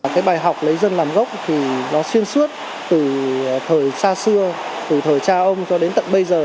cái bài học lấy dân làm gốc thì nó xuyên suốt từ thời xa xưa từ thời cha ông cho đến tận bây giờ